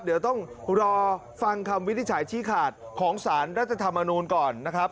เดี๋ยวต้องรอฟังคำวินิจฉัยชี้ขาดของสารรัฐธรรมนูลก่อนนะครับ